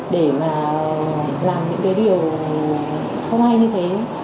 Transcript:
để mà làm những cái điều không ai như thế